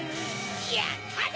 やったぞ！